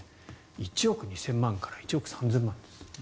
１億２０００万円から１億３０００万円。